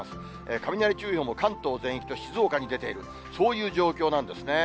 雷注意報も関東全域と静岡に出ている、そういう状況なんですね。